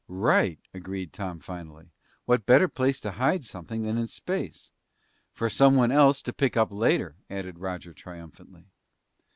"Right!" agreed Tom finally. "What better place to hide something than in space?" "For someone else to pick up later!" added Roger triumphantly.